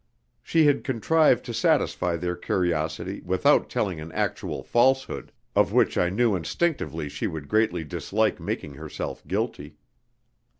She had contrived to satisfy their curiosity without telling an actual falsehood, of which I knew instinctively she would greatly dislike making herself guilty.